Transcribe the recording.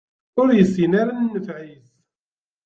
Ur yessin ara nnfeɛ-is.